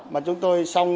mà chúng tôi xếp rỡ hàng hóa